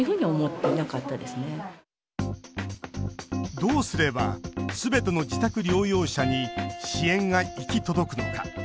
どうすればすべての自宅療養者に支援が行き届くのか。